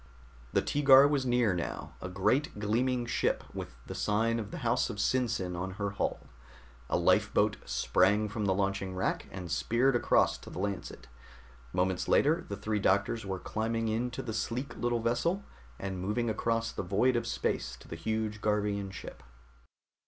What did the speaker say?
The Teegar was near now, a great gleaming ship with the sign of the house of SinSin on her hull. A lifeboat sprang from a launching rack and speared across to the Lancet. Moments later the three doctors were climbing into the sleek little vessel and moving across the void of space to the huge Garvian ship.